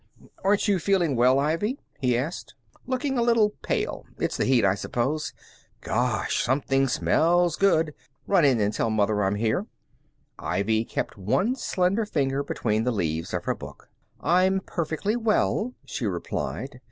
"Aren't you feeling well, Ivy?" he asked. "Looking a little pale. It's the heat, I suppose. Gosh! Something smells good. Run in and tell Mother I'm here." Ivy kept one slender finger between the leaves of her book. "I'm perfectly well," she replied.